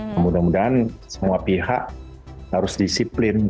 kemudian semuanya pihak harus disiplin